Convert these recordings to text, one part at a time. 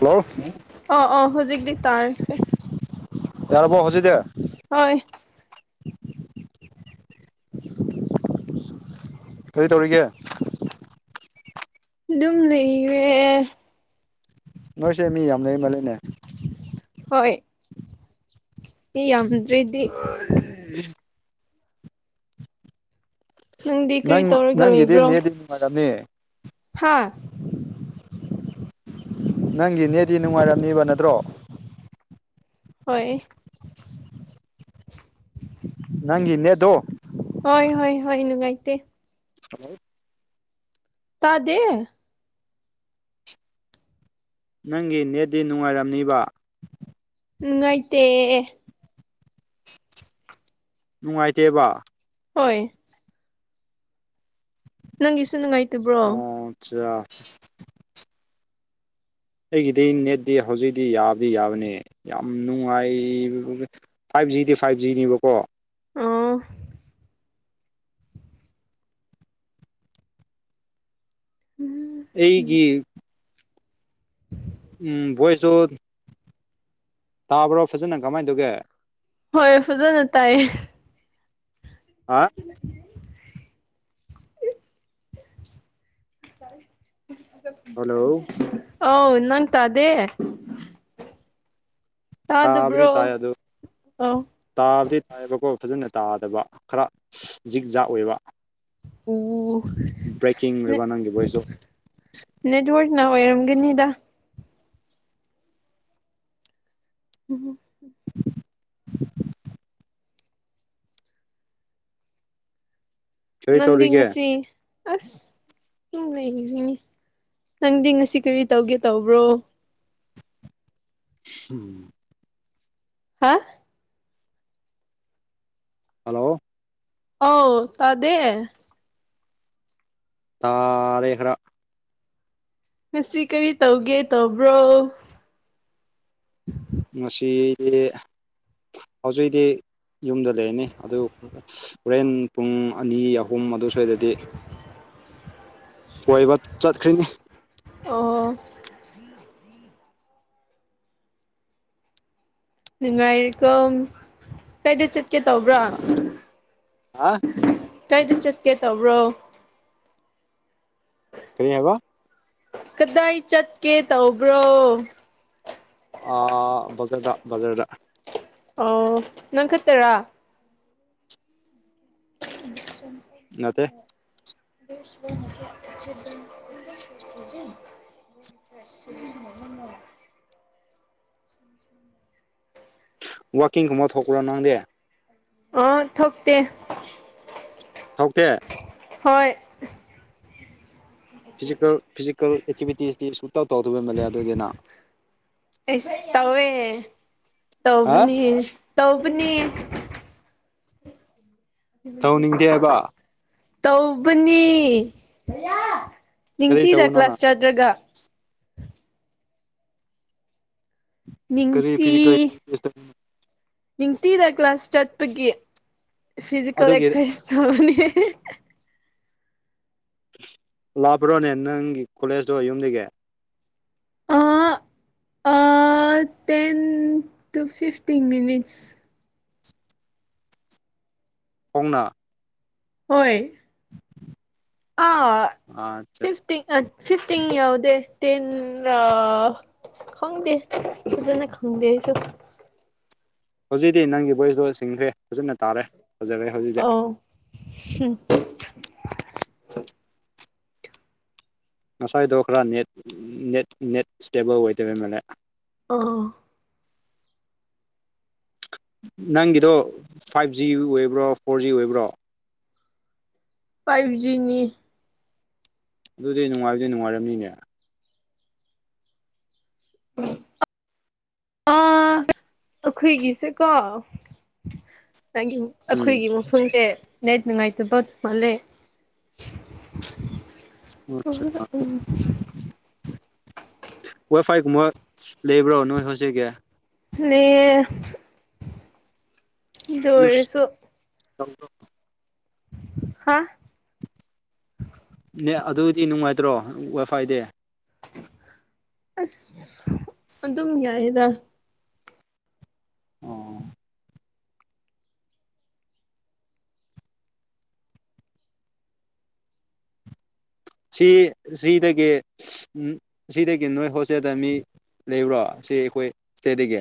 Hello ꯑ ꯑꯣ ꯍꯧꯖꯤꯛꯗꯤ ꯇꯥꯦ ꯌꯥꯔꯔꯕꯣ ꯍꯧꯖꯤꯗ ꯍꯣꯏ ꯀꯔꯤ ꯇꯧꯔꯤꯒꯦ ꯑꯗꯨꯝ ꯂꯩꯔꯦ ꯅꯣꯏꯁꯦ ꯃꯤ ꯌꯥꯝ ꯂꯩꯔꯤ ꯃꯥ ꯂꯩꯅꯦ ꯍꯣꯏ ꯏ ꯌꯥꯝꯗ꯭꯭ꯔꯔꯤꯗꯤ ꯎ ꯅꯪꯗꯤ ꯀꯔꯤ ꯅꯪ ꯇꯧꯔꯒ ꯅꯪꯗ ꯅꯦꯗꯤ ꯃꯥꯗꯥꯝꯅꯤ ꯍꯥꯥ ꯅꯪꯒꯤꯅꯦꯗꯤ ꯅꯨꯡꯉꯥꯏꯔꯝꯅꯦꯕ ꯅꯠꯇ꯭ꯔꯣ ꯍꯣꯏ ꯅꯪ ꯏꯟꯅꯦꯗꯣ ꯍꯣꯏ ꯍꯣꯏ ꯍꯣꯏ ꯅꯨꯡꯉꯥꯏꯇ ꯍꯜꯂꯣ ꯇꯥꯗꯦ ꯅꯪꯒꯤ ꯅꯦꯠꯗꯤ ꯅꯨꯡꯉꯥꯏꯔꯝꯅꯤꯕ ꯎꯝꯉꯥꯏꯇꯦ ꯅꯨꯡꯉꯥꯏꯇꯦꯕ ꯍꯣꯏ ꯅꯪꯒꯤꯁꯨ ꯅꯨꯡꯉꯥꯏꯇꯕ꯭ꯔꯣ ꯆ ꯑꯩꯒꯤꯗꯤ ꯅꯦꯠꯇꯤ ꯍꯧꯖꯤꯛꯇꯤ ꯌꯥꯕꯗꯤ ꯌꯥꯕꯅꯦ ꯌꯥꯝ ꯅꯨꯡꯉꯥꯏꯕ ꯐꯥꯏꯚ ꯖꯤꯗꯤ ꯐꯥꯏꯚ ꯖꯤꯅꯦꯕꯀꯣ ꯑ ꯎꯝ ꯑꯩꯒꯤ ꯎ ꯎꯝ ꯣꯏꯁꯨꯁꯨ ꯇꯥꯕ꯭ꯔꯣ ꯐꯖꯅ ꯀꯃꯥꯏꯅ ꯇꯧꯒꯦ ꯍꯣꯏ ꯐꯖꯅ ꯇꯥꯏꯌꯦ꯫ ꯍꯥ ꯆꯦ ꯍꯜꯂꯣ ꯑꯥꯎ ꯅꯪ ꯇꯗꯦ ꯇꯥꯕꯗꯤ ꯇꯥꯗꯕ꯭ꯔꯣ ꯇꯥꯏ ꯑꯗꯨ ꯑ ꯇꯥꯕꯗꯤ ꯇꯥꯏꯌꯦꯕꯀꯣ ꯐꯖꯅ ꯇꯥꯗꯕ ꯈꯔ ꯖꯤꯛ ꯖꯥꯛ ꯑꯣꯏꯕ ꯑꯣ ꯕ꯭ꯔꯦꯛꯀꯤꯡ ꯑꯣꯏꯕ ꯅꯪꯒꯤ ꯚꯣꯏꯁꯇꯣ ꯅꯦꯠꯣꯔꯅ ꯑꯣꯏꯔꯝꯒꯅꯤꯗ ꯎꯝ ꯀꯔꯤ ꯅꯪꯗꯤ ꯇꯧꯔꯤꯒꯦ ꯉꯁꯤ ꯑꯁ ꯂꯩꯈꯔꯤꯅꯤ ꯅꯪꯗꯤ ꯉꯁꯤ ꯀꯔꯤ ꯇꯧꯒꯦ ꯇꯧꯕ꯭ꯔꯣ ꯎꯝ ꯍꯥ ꯍꯜꯂꯣ ꯑ ꯇꯗꯦ ꯇꯥꯔꯦ ꯈꯔ ꯉꯁꯤ ꯀꯔꯤ ꯇꯧꯒꯦ ꯇꯧꯕ꯭ꯔꯣ ꯉꯁꯤꯗꯤ ꯍꯧꯖꯤꯛꯗꯤ ꯌꯨꯝꯗ ꯂꯩꯔꯅꯤ ꯑꯗꯨ ꯍꯣꯔꯦꯟ ꯄꯨꯡ ꯑꯅꯤ ꯑꯍꯨꯝ ꯑꯗꯨ ꯁ꯭ꯋꯥꯏꯗꯗꯤ ꯀꯣꯏꯕ ꯆꯠꯈ꯭ꯔꯤꯅꯤ ꯑꯣ ꯉꯥꯏꯀꯣ ꯀꯩꯗ ꯆ ꯀꯦ ꯇꯧꯕ꯭ꯔꯥ ꯑ ꯀꯥꯏꯗ ꯆꯠꯀꯦ ꯇꯧꯕ꯭ꯔꯣ ꯐꯔꯤ ꯍꯕ ꯀꯗꯥꯏ ꯆꯠꯀꯦ ꯇꯧꯕ꯭ꯔꯣ ꯕꯖꯥꯔꯗ ꯕꯖꯔꯗ ꯑꯣ ꯅꯪꯈꯠꯇꯔꯥ ꯀ ꯃꯠꯇꯦ ꯁꯤꯖꯟ ꯏꯟꯇ꯭ꯔꯦꯁꯁꯨꯦ ꯆꯁꯃꯛ ꯂꯣ ꯋꯥꯛꯀꯤꯡꯒꯨꯝꯕ ꯊꯣꯛꯄ꯭ꯔꯣ ꯅꯪꯗꯦ ꯑ ꯊꯣꯛꯣꯛꯇꯦ ꯊꯣꯛꯇꯦ ꯍꯣꯏ ꯐꯤꯖꯤꯀꯦꯜ ꯐꯤꯖꯤꯀꯦꯜ ꯑꯦꯛꯇꯤꯚꯤꯇꯤꯁꯇꯤ ꯁꯁꯨ ꯇꯥꯎ ꯇꯥꯎꯗꯕ ꯃꯜꯂꯦ ꯑꯗꯨ ꯑꯣꯏꯏꯗꯅ ꯑꯦꯁ ꯇꯧꯋꯦ ꯍꯥ ꯇꯧꯧꯕꯅꯤ ꯇꯧꯕꯨꯅꯤ ꯇꯧꯅꯤꯡꯗꯦ ꯍꯥꯏꯕ ꯇꯧꯕꯅꯤ ꯀꯔꯤ ꯅꯤꯡꯇꯤꯗ ꯇꯧꯕꯅꯣ ꯀ꯭ꯂꯥꯁ ꯅꯪ ꯆꯥꯗ꯭ꯔꯒ ꯀꯔꯤ ꯅꯤꯡꯇꯤ ꯐꯤꯖꯤꯀ ꯅꯤꯡꯇꯤꯅ ꯀ꯭ꯂꯥꯁ ꯆꯠꯄꯒꯤ ꯐꯤꯖꯤꯀꯦꯜ ꯑꯗꯨꯒꯤ ꯑꯦꯛꯁꯔꯁꯥꯏꯁ ꯇꯧꯔꯅꯤ ꯂꯥꯛꯄ꯭ꯔꯣꯅꯦ ꯅꯪꯒꯤ ꯀꯣꯂꯦꯖꯇꯣ ꯌꯨꯝꯗꯒꯤ ꯑꯥ ꯇꯦꯟ ꯇꯨ ꯐꯤꯐꯇꯤꯟ ꯃꯤꯅꯤꯠꯁ ꯍꯣꯡꯅ ꯍꯣꯏ ꯑꯥ ꯑꯆꯥ ꯐ ꯐꯤꯐꯇꯤꯤꯡ ꯌꯥꯎꯗꯦ ꯇꯦꯟ ꯔ ꯈꯪꯗꯦ ꯄꯨꯖꯅ ꯈꯪꯗꯦ ꯑꯩꯁꯨ ꯍꯧꯖꯤꯛꯇꯤ ꯅꯪꯒꯤ ꯚꯣꯏꯁꯇꯣ ꯁꯤꯡꯈ꯭ꯔꯦ ꯐꯖꯅ ꯇꯥꯔꯦ ꯐꯖꯔꯦ ꯑ ꯍꯧꯖꯤꯛꯇꯤ ꯎꯝ ꯉꯁꯥꯏꯗꯣ ꯈꯔ ꯅꯦꯠ ꯅꯦꯠ ꯅꯦꯠ ꯏꯁꯇꯦꯕꯜ ꯑꯣꯏꯗꯕꯩ ꯃꯜꯂꯦ ꯑꯥ ꯅꯪꯒꯤꯗꯣ ꯐꯥꯏꯚ ꯖꯤ ꯑꯣꯏꯕ꯭ꯔꯣ ꯐꯣꯔ ꯖꯤ ꯑꯣꯏꯕ꯭ꯔꯣ ꯐꯥꯏꯚꯖꯤꯅꯤ ꯑꯗꯨꯗꯤ ꯅꯨꯡꯉꯥꯏꯔꯗꯤ ꯅꯨꯡꯉꯥꯏꯔꯝꯃꯤꯅꯦ ꯎꯝ ꯑꯥ ꯑꯩꯈꯣꯏꯒꯤꯁꯦꯀꯣ ꯆꯪ ꯎꯝ ꯑꯩꯈꯣꯏꯒꯤ ꯃꯐꯝꯁꯦ ꯅꯦꯠ ꯅꯨꯡꯉꯥꯏꯇꯕ ꯃꯥꯂꯦ ꯑꯆꯥ ꯋꯥꯏ ꯐꯥꯏꯒꯨꯝꯕ ꯂꯩꯕ꯭ꯔꯣ ꯅꯣꯏ ꯍꯧꯖꯤꯛꯀꯤ ꯂꯩ ꯗ ꯑꯣꯏꯔꯁꯨ ꯊꯝꯣ ꯍꯥ ꯅ ꯑꯗꯨꯗꯤ ꯅꯨꯡꯉꯥꯏꯇ꯭ꯔꯣ ꯋꯥꯏꯐꯥꯏꯗ ꯑꯁ ꯑꯗꯨꯝ ꯌꯥꯏꯌꯦꯗ ꯑꯣ ꯁꯤ ꯁꯤꯗꯒꯤ ꯎꯝ ꯁꯤꯗꯒꯤ ꯅꯣꯏ ꯍꯣꯁꯇꯦꯜꯗ ꯃꯤ ꯂꯩꯕ꯭ꯔꯣ ꯁꯤ ꯑꯩꯈꯣꯏ ꯁꯇꯦꯗꯒꯤ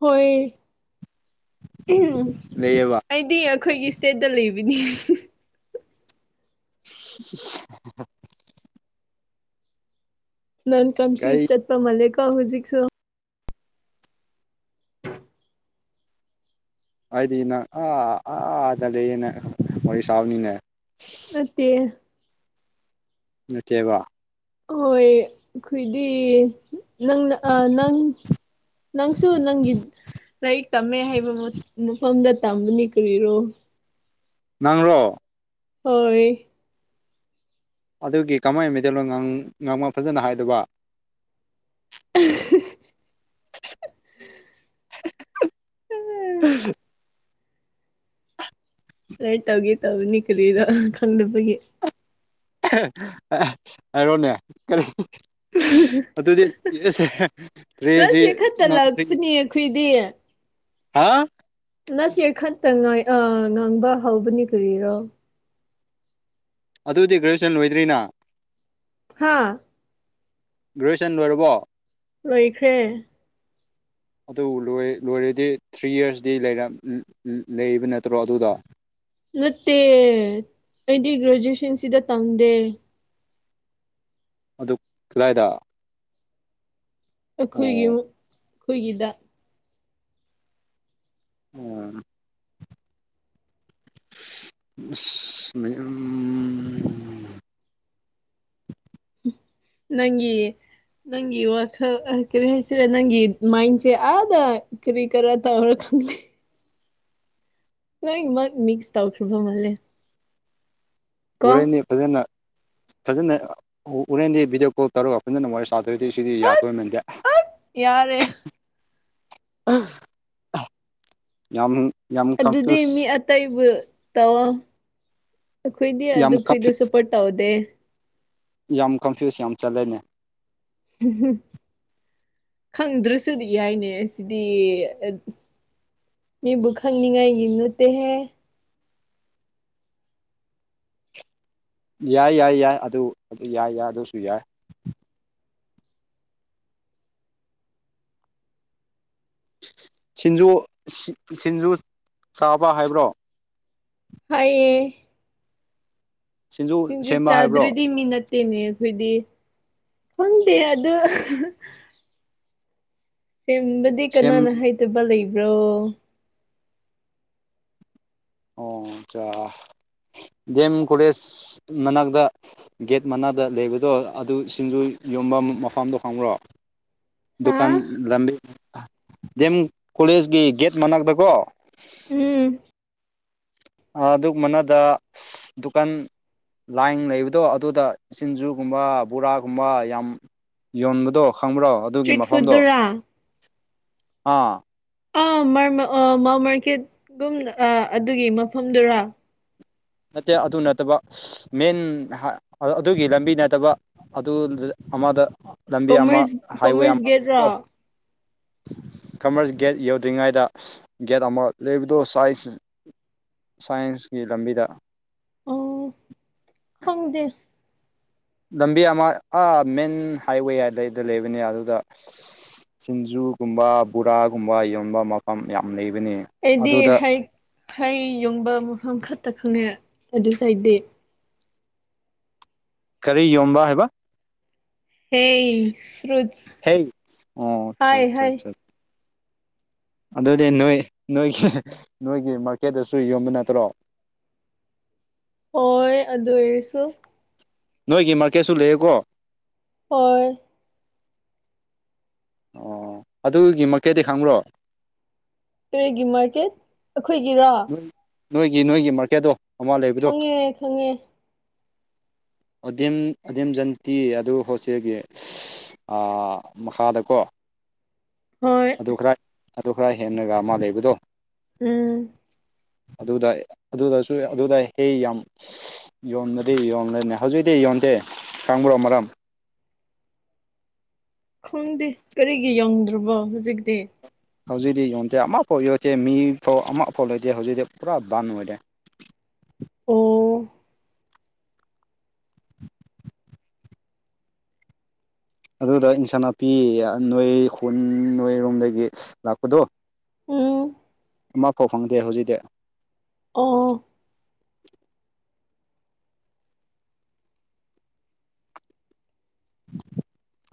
ꯍꯣꯏ ꯂꯩꯌꯦꯕ ꯑꯩꯗꯤ ꯑꯩꯈꯣꯏꯒꯤ ꯁ꯭ꯇꯦꯠꯇ ꯂꯩꯕꯅꯤ [unintelligible] ꯅꯪ ꯀꯔꯤ ꯀꯟꯐ꯭ꯨꯁ ꯑꯄ ꯃꯜꯀ ꯍꯨꯖꯤꯛꯁꯨ ꯍꯥꯏꯗꯤ ꯅꯪ ꯑꯥ ꯑꯥ ꯆꯠꯂꯑꯦꯅꯦ ꯋꯥꯔꯤ ꯁꯥꯎꯅꯤꯅꯦ ꯃꯠꯇꯦ ꯅꯠꯇꯦꯕ ꯍꯣꯏ ꯑꯩꯈꯣꯏꯗꯤ ꯅꯪꯅ ꯅꯪ ꯅꯪꯁꯨ ꯅꯪꯗ ꯂꯥꯏꯔꯤꯛ ꯇꯝꯃꯦ ꯍꯥꯏꯩꯕ ꯃꯐꯝꯗ ꯇꯝꯕꯅꯤ ꯀꯔꯤꯔꯣ ꯅꯪꯔꯣ ꯍꯣꯏ ꯑꯗꯨꯒꯤ ꯀꯃꯥꯏ ꯃꯦꯇꯩꯦꯜꯅꯣ ꯉꯥꯡꯕ ꯐꯖꯅ ꯍꯥꯏꯗꯕ [inaudible] [inaudible] ꯎꯝ ꯎ ꯔ ꯇꯧꯒꯤ ꯇꯧꯅꯤ ꯀꯂꯔꯣ ꯈꯪꯗꯄꯒꯤ ꯍꯥꯏꯔꯣꯅꯦ ꯀꯔꯤ ꯑꯗꯨꯗꯤꯁꯦꯦ ꯂꯥꯁ ꯌꯔ ꯈꯛꯇ ꯂꯥꯛꯄꯅꯦ ꯑꯩꯈꯣꯏꯗꯤ ꯍꯥ ꯉꯁꯤ ꯈꯛꯇ ꯉꯥꯏ ꯑꯥ ꯉꯥꯡꯕ ꯍꯥꯎꯕꯅꯤ ꯀꯔꯤꯔꯣ ꯑꯗꯨꯗꯤ ꯒ꯭ꯔꯦꯖꯨꯋꯁꯟ ꯂꫭꯏꯗꯔꯤꯅ ꯍꯥꯥ ꯒ꯭ꯔꯦꯖꯨꯋꯁꯟ ꯂꯣꯏꯔꯕꯣ ꯂꯣꯏꯈ꯭ꯔꯦ [inaudible] ꯑꯗꯨ ꯂꯣꯏ ꯂꯣꯏꯔꯗꯤ ꯊ꯭ꯔꯤ ꯌꯔꯁꯇꯤ ꯂꯩꯔꯝ ꯂꯩꯕ ꯅꯠꯇ꯭ꯔꯣ ꯑꯗꯨꯗꫭ ꯅꯠꯇꯦ ꯑꯩꯗꯤ ꯒ꯭ꯔꯦꯖꯨꯋꯁꯟꯁꯤꯗ ꯇꯝꯗꯦ ꯑꯗꯨ ꯀꯗꯥꯏꯗ ꯑꯣ ꯑꯩꯈꯣꯏꯒꯤ ꯑꯩꯈꯣꯏꯒꯤꯗ ꯑꯣ ꯑꯁ ꯃꯌꯥꯝ ꯅꯪꯒꯤ ꯅꯪꯒꯤ ꯋꯥꯈꯜ ꯀꯔꯤ ꯍꯥꯏꯁꯤꯔꯦ ꯅꯪꯒꯤ ꯃꯥꯏꯟꯁꯦ ꯑꯥꯗ ꯀꯔꯤ ꯀꯔꯥ ꯇꯧꯔ ꯈꯪꯗꯦ ꯂꫭꯏꯅꯃꯥꯛ ꯃꯤꯁ ꯇꯧꯈ꯭ꯔꯕ ꯃꯥꯜꯂꯦ ꯀꯣ ꯍꯣꯔꯦꯟꯅꯦ ꯐꯖꯅ ꯐꯖꯅ ꯑꯣ ꯍꫭꯔꯦꯟꯗꯤ ꯚꯗꯤꯑꯣ ꯀꯣꯜ ꯇꯧꯔꯒ ꯐꯖꯅ ꯋꯥꯔꯤ ꯁꯥꯗꯔꯗꯤ ꯁꯤꯗꯤ ꯑꯠ ꯌꯥꯗꯣꯏꯃꯦꯟꯗꯦ ꯌꯥꯔꯦ [unintelligible] ꯌꯥꯝ ꯌꯥꯝ ꯑꯗꯨꯗꯤ ꯀꯟꯐ꯭ꯌꯨꯁ ꯃꯤ ꯑꯇꯩꯕꯨ ꯇꯑꯣ ꯑꯩꯈꯣꯏꯗꯤ ꯌꯥꯝ ꯑꯗꯨꯈꯣꯏꯗꫭ ꯀꯟꯐ꯭ꯌꯨꯁ ꯁꯄꯣꯔꯠ ꯇꯥꯎꯗꯦ ꯌꯥꯝ ꯀꯟꯐ꯭ꯌꯨꯁ ꯌꯥꯝ ꯆꯠꯂꯦꯅꯦ ꯈꯪꯗ꯭ꯔꯁꯨꯗꯤ ꯌꯥꯏꯅꯦ ꯑꯁꯤꯗꯤ ꯃꯤꯕꯨ ꯈꯪꯅꯤꯡꯉꯥꯏꯒꯤ ꯅꯠꯇꯦꯍꯦ ꯌꯥꯏ ꯌꯥꯏ ꯌꯥꯏ ꯑꯗꯨ ꯑꯗꯨ ꯌꯥꯏ ꯌꯥꯏ ꯑꯗꯨꯁꯨ ꯌꯥꯏ ꯁꯤꯡꯖꯨ ꯁꯤꯡꯖꯨ ꯆꯥꯕ ꯍꯥꯏꯕ꯭ꯔꯣ ꯍꯥꯏꯌꯦꯌꯦ ꯁꯤꯡꯖꯨ ꯁꯦꯝꯕ ꯍꯥꯏꯕ꯭ꯔꯣ ꯆꯥꯗ꯭ꯔꯗꯤ ꯃꯤꯅꯠ ꯇꯦꯅꯦ ꯑꯩꯈꯣꯏꯗꯤ ꯈꯪꯗꯦ ꯑꯗꯨ ꯁꯦꯝꯕꯗꯤ ꯁꯦꯝ ꯀꯅꯥꯅ ꯍꯩꯇꯕ ꯂꯩꯕ꯭ꯔꯣ ꯑꯣ ꯑꯠꯆꯥ ꯗꯦꯝ ꯀꯣꯂꯦꯖ ꯃꯅꯥꯛꯇ ꯒꯦꯠ ꯃꯅꯥꯗ ꯂꯩꯕꯗꯣ ꯑꯗꯨ ꯁꯤꯡꯖꯨ ꯌꯣꯟꯐꯝ ꯃꯐꯝꯗꯣ ꯈꯪꯕ꯭ꯔꯣ ꯍꯥ ꯗꯨꯀꯥꯟ ꯂꯝꯕꯤ ꯗꯦꯝ ꯀꯣꯂꯦꯖꯀꯤ ꯒꯦꯠ ꯃꯅꯥꯛꯇꯀꯣ ꯎꯝ ꯑꯗꯨ ꯃꯅꯗ ꯗꯨꯀꯥꯟ ꯂꯥꯏꯟ ꯂꯩꯕꯗꯣ ꯑꯗꯨꯗ ꯁꯤꯡꯖꯨꯒꯨꯝꯕ ꯕꯣꯔꯥꯒꯨꯝꯕ ꯌꯥꯝ ꯌꯣꯟꯕꯗꯣ ꯈꯪꯕ꯭ꯔꯣ ꯑꯗꯨꯒꯤ ꯏꯁꯇ꯭ꯔꯤꯠ ꯃꯐꯝꯗꯣ ꯐꯨꯗꯠꯇꯨꯔꯥ ꯑꯥ ꯑꯥ ꯃꯥꯔ ꯑꯥ ꯃꯥꯔꯀꯦꯠꯒꯨꯝ ꯑꯗꯨꯝ ꯑꯗꯨꯒꯤ ꯃꯐꯝꯗꯨꯔ ꯅꯠꯇꯦ ꯑꯗꯨ ꯅꯠꯇꯕ ꯃꯦꯟ ꯑꯗꯨꯒꯤ ꯂꯝꯕꯤ ꯅꯠꯇꯕ ꯑꯗꯨ ꯑꯃꯗ ꯂꯝꯕꯤ ꯑꯃ ꯀꯣꯃꯔꯁ ꯍꯥꯏꯋꯦ ꯀꯣꯃꯔꯁ ꯑꯃ ꯒꯦꯠꯔꯣ ꯂꯩꯕꯗꯣ ꯀꯃꯔꯁ ꯒꯦꯠ ꯌꯧꯗ꯭ꯔꯤꯉꯩꯗ ꯒꯦꯠ ꯑꯃ ꯂꯩꯕꯗꯣ ꯁꯥꯏꯖ ꯁꯥꯏꯟꯁꯀꯤ ꯂꯝꯕꯤꯗ ꯑꯣ ꯈꯪꯗꯦ ꯂꯝꯕꯤ ꯑꯃꯥ ꯑꯥ ꯃꯦꯟ ꯍꯥꯏꯋꯦ ꯍꯥꯏꯗꯩꯗ ꯂꯩꯕꯅꯦ ꯑꯗꯨ ꯁꯤꯡꯖꯨꯒꯨꯝꯕ ꯕꯣꯔꯥꯒꯨꯝꯕ ꯌꯣꯟꯕ ꯃꯐꯝ ꯌꯥꯝ ꯂꯩꯕꯅꯦ ꯑꯩꯗꯤ ꯑꯗꯨꯗ ꯍꯩ ꯍꯩ ꯌꯨꯡꯕ ꯃꯐꯝ ꯈꯛꯇ ꯈꯪꯉꯦ ꯑꯗꯨꯁꯨ ꯑꯩꯗꯤ ꯀꯔꯤ ꯌꯣꯟꯕ ꯍꯥꯏꯕ ꯍꯩ ꯐ꯭ꯔꯨꯠꯁ ꯍꯩ ꯑꯣ ꯑꯆꯥ ꯍꯥꯏ ꯑꯆꯥ ꯍꯥꯏ ꯑꯆꯥ ꯑꯗꯨꯗꯤ ꯅꯣꯏ ꯅꯣꯏꯒꯤ ꯅꯣꯏꯒꯤ ꯃꯥꯔꯀꯦꯠꯇꯁꯨ ꯌꯣꯟꯕ ꯅꯠꯇ꯭ꯔꯣ ꯍꯣꯏ ꯑꯗꯨ ꯑꯣꯏꯔꯁꯨ ꯅꯣꯏꯒꯤ ꯃꯥꯔꯀꯦꯠꯁꯨ ꯂꯩꯌꯦꯀꯣ ꯍ ꯑꯣ ꯑꯗꯨꯒꯤ ꯃꯀꯩꯗꯤ ꯈꯪꯕ꯭ꯔꯣ ꯇꯨꯔꯦꯒꯤ ꯃꯥꯔꯀꯦꯠ ꯑꯩꯈꯣꯏꯒꯤꯔꯣ ꯅꯣꯏ ꯅꯣꯏꯒꯤ ꯅꯣꯏꯒꯤ ꯃꯥꯔꯀꯦꯠꯇꯣ ꯃ ꯂꯩꯕꯗꯣ ꯈꯪꯉꯦ ꯈꯪꯉꯦ ꯑꯣꯗꯤꯝ ꯑꯗꯤꯝ ꯖꯟꯇꯤ ꯑꯗꯨ ꯍꯣꯁꯇꯦꯜꯒꯤ ꯃꯈꯥꯗꯀꯣ ꯍꯣꯏ ꯑꯗꯨ ꯈꯔ ꯑꯗꯨ ꯈꯔ ꯍꯦꯟꯅꯒ ꯑꯃ ꯂꯩꯕꯗꯣ ꯎꯝ ꯑꯗꯨꯗ ꯑꯗꯨꯗꯁꯨ ꯑꯗꯨꯗ ꯍꯦꯛ ꯌꯥꯝ ꯌꯣꯟꯕꯗꯤ ꯌꯣꯟꯂꯅꯦ ꯍꯧꯖꯤꯛꯇꯛꯇꯤ ꯌꯣꯟꯗꯦ ꯈꯪꯕ꯭ꯔꯣ ꯃꯔꯝ ꯈꯪꯗꯦ ꯀꯔꯤꯒꯤ ꯌꯧꯗ꯭ꯔꯕꯣ ꯍꯧꯖꯤꯛꯇꯤ ꯍꯧꯖꯤꯛꯇꯤ ꯌꯣꯟꯗꯦ ꯑꯃꯐꯥꯎ ꯌꯣꯁꯦ ꯃꯤꯐꯥꯎ ꯑꯃꯐꯥꯎ ꯂꯩꯁꯦ ꯍꯧꯖꯤꯛꯇꯤ ꯄꯨꯔꯥ ꯕꯟ ꯑꯣꯏꯔꯦ ꯑꯣ ꯑꯗꯨꯗ ꯏꯟꯁꯥꯡ ꯅꯥꯄꯤ ꯅꯣꯏ ꯈꯨꯟ ꯅꯣꯏꯔꯣꯝꯗꯒꯤ ꯂꯥꯛꯄꯗꯣ ꯎꯝ ꯏꯐꯥꯎ ꯐꯪꯗꯦ ꯍꯧꯖꯤꯛꯇꯤ ꯑꯣ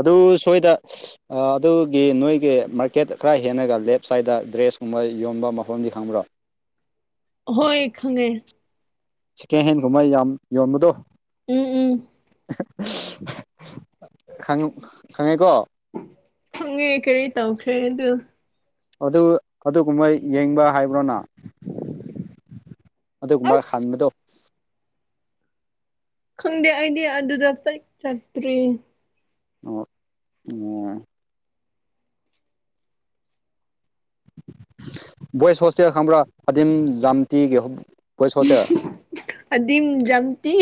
ꯑꯗꯨ ꯁꯣꯏꯗ ꯑꯗꯨꯒꯤ ꯅꯣꯏꯒꯤ ꯃꯥꯔꯀꯦꯠ ꯈꯔ ꯍꯦꯟꯅꯒ ꯂꯦꯞ ꯁꯥꯏꯗ ꯗ꯭ꯔꯦꯁꯀꯨꯝꯕ ꯌꯣꯟꯕ ꯃꯐꯝꯗꯤ ꯈꯪꯕ꯭ꯔꯣ ꯍꯣꯏ ꯈꯪꯉꯦ ꯁꯤ ꯀꯦꯍꯦꯟꯒꯨꯝꯃꯥꯏ ꯌꯥꯝ ꯌꯣꯟꯕꯗꯣ ꯎꯝ ꯎꯝ ꯈꯪꯉꯦꯀꯣ ꯈꯪꯉꯦ ꯀꯔꯤ ꯇꯧꯈ꯭ꯔꯦ ꯑꯗꯨ ꯑꯗꯨ ꯑꯗꯨꯒꯨꯝꯕ ꯌꯦꯡꯕ ꯍꯥꯏꯕ꯭ꯔꯣꯅ ꯑꯗꯨꯒꯨꯝꯕ ꯑꯁ ꯍꯟꯕꯗꯣ ꯈꯪꯗꯦ ꯑꯩꯗꯤ ꯑꯗꯨꯗ ꯄꯛ ꯆꯛꯇ꯭ꯔꯤ ꯑꯣ ꯑꯣꯝ ꯕꯣꯏꯁ ꯍꯣꯁꯇꯦꯜ ꯈꯪꯕ꯭ꯔꯥ ꯑꯗꯤꯝ ꯖꯥꯝꯇꯤꯒꯤ ꯕꯣꯏꯁ ꯍꯣꯁꯇꯦꯜ ꯑꯗꯤꯝ ꯝꯇꯤ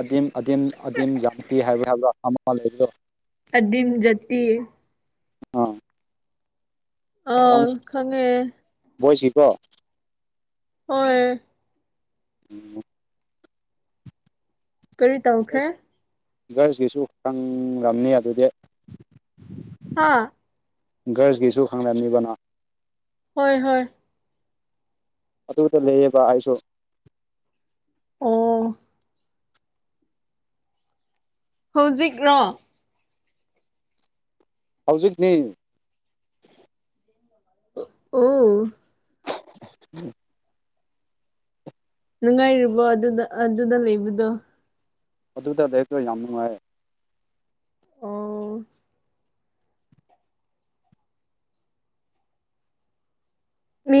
ꯑꯗꯤꯝ ꯑꯗꯤꯝ ꯑꯗꯤꯝ ꯖꯥꯟꯇꯤ ꯍꯥꯏꯕ ꯍꯥꯏꯕ ꯑꯃ ꯂꯩꯕꯗꯣ ꯑꯗꯨꯗꯤꯝꯖꯗꯤꯤ ꯑ ꯑꯥ ꯈꯪꯉꯦ ꯚꯣꯏꯁꯤꯀꯣ ꯍꯣꯏ ꯎꯝ ꯀꯔꯤ ꯇꯧꯈ꯭ꯔꯦ ꯚꯔꯁꯀꯤꯁꯨ ꯈꯪꯅꯤ ꯑꯗꯨꯗꯤ ꯍꯥꯥ ꯒ꯭ꯔꯔꯁꯀꯤꯁꯨ ꯈꯪꯅꯝꯃꯤꯕꯅꯣ ꯍꯣꯏ ꯍꯣꯏ ꯑꯗꯨꯗ ꯂꯩꯌꯦꯕ ꯑꯩꯁꯨ ꯑ ꯍꯧꯖꯤꯛ ꯔꯣ ꯍꯧꯖꯤꯛꯅꯤ ꯑꯣ ꯎꯝ ꯅꯨꯡꯉꯥꯏꯔꯤꯕꯣ ꯑꯗꯨꯗ ꯑꯗꯨꯗ ꯂꯩꯕꯗꯣ ꯑꯗꯨꯗꯗ ꯍꯦꯛꯇꯣ ꯌꯥꯝ ꯅꯨꯡꯉꯥꯏꯔ ꯑꯥ ꯃꯤ